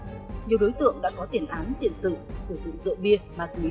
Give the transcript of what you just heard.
nhiều đối tượng đã có tiền án tiện sự sử dụng rượu bia mạc mỹ